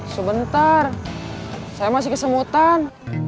sebentar saya masih kesemutan